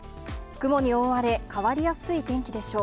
雲に覆われ、変わりやすい天気でしょう。